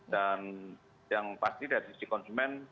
dan yang pasti dari sisi konsumen